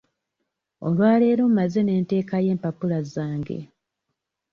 Olwa leero mmaze ne nteekayo empapula zange.